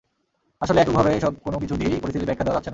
আসলে এককভাবে এসব কোনো কিছু দিয়েই পরিস্থিতি ব্যাখ্যা দেওয়া যাচ্ছে না।